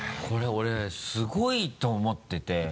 これ俺すごいと思ってて。